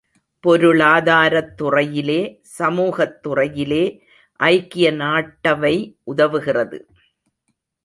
பொருளாதாரத் துறையிலே சமூகத்துறையிலே ஐக்கிய நாட்டவை உதவுகிறது.